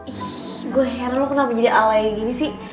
ih gue heran lo kenapa jadi alaik gini sih